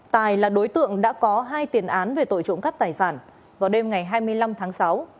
tài là đối tượng đã có hai tiền án về tội trộm cắp tài sản vào đêm ngày hai mươi năm tháng sáu